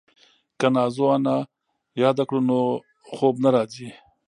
که نازو انا یاده کړو نو خوب نه راځي.